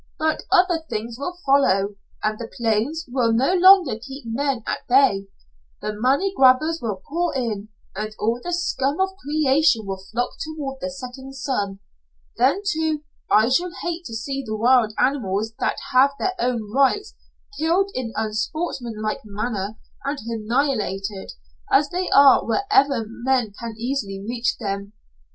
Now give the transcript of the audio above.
But other things will follow, and the plains will no longer keep men at bay. The money grabbers will pour in, and all the scum of creation will flock toward the setting sun. Then, too, I shall hate to see the wild animals that have their own rights killed in unsportsmanlike manner, and annihilated, as they are wherever men can easily reach them.